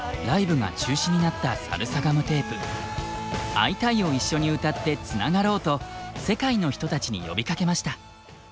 「アイタイ！」を一緒に歌ってつながろうと世界の人たちに呼びかけました。